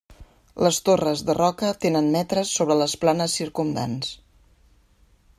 Les torres de roca tenen metres sobre les planes circumdants.